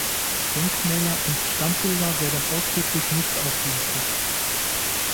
Denkmäler und Standbilder werden ausdrücklich nicht aufgelistet.